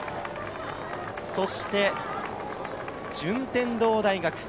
そして順天堂大学。